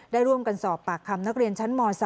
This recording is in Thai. ได้ร่วมกันสอบปากคำนักเรียนชั้นม๓